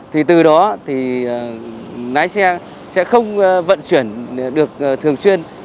thì từ đó lái xe sẽ không vận chuyển được thường chuyên